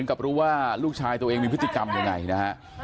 กับรู้ว่าลูกชายตัวเองมีพฤติกรรมยังไงนะฮะ